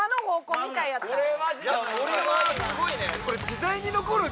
これはすごいね！